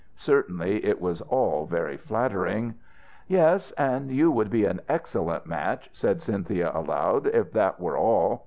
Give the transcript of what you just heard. Certainly it was all very flattering ... "Yes, and you would be an excellent match," said Cynthia, aloud, "if that were all.